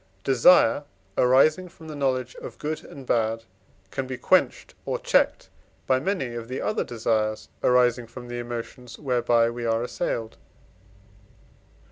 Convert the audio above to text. Desire arising from the knowledge of good and bad can be quenched or checked by many of the other desires arising from the emotions whereby we are assailed.